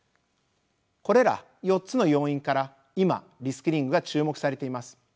これら４つの要因から今リスキリングが注目されています。